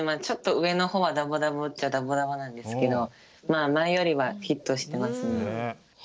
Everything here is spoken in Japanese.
ちょっと上のほうはダボダボっちゃダボダボなんですけど前よりはフィットしてますね。